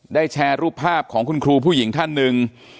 แชร์รูปภาพของคุณครูผู้หญิงท่านหนึ่ง